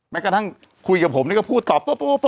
แม้กระทั่งคุยกับผมแล้วก็พูดตอบปุ๊ป